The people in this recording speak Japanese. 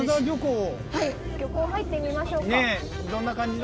漁港入ってみましょうか。